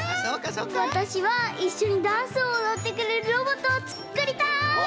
わたしはいっしょにダンスをおどってくれるロボットをつっくりたい！